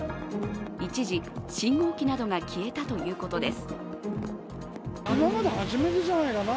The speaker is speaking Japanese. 一時、信号機などが消えたということです。